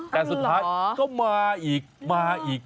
แต่สุดท้ายก็มาอีกมาอีก